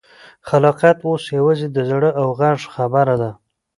خلاقیت اوس یوازې د زړه او غږ خبره ده.